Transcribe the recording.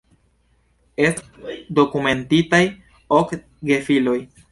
Estas dokumentitaj ok gefiloj.